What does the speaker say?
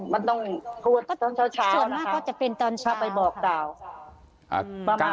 อ๋อมันต้องพูดตอนเช้าส่วนมากก็จะเป็นตอนเช้าค่ะ